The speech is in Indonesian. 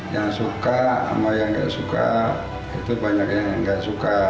yang suka sama yang nggak suka itu banyak yang nggak suka